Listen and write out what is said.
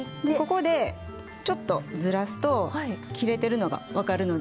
ここでちょっとずらすと切れてるのが分かるので。